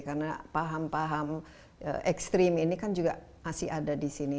karena paham paham ekstrim ini kan juga masih ada di sini